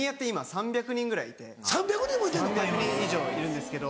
３００人以上いるんですけど。